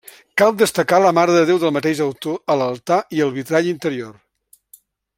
Cal destacar la Mare de Déu del mateix autor a l'altar i al vitrall interior.